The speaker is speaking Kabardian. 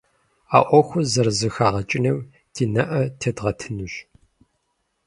А Ӏуэхухэр зэрызэхагъэкӀым ди нэӀэ тедгъэтынущ.